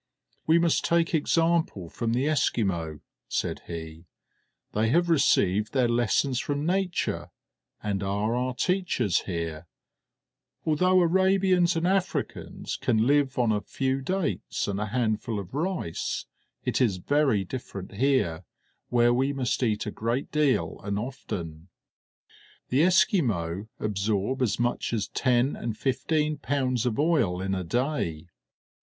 "We must take example from the Esquimaux," said he; "they have received their lessons from nature, and are our teachers here; although Arabians and Africans can live on a few dates and a handful of rice, it is very different here, where we must eat a great deal and often. The Esquimaux absorb as much as ten and fifteen pounds of oil in a day.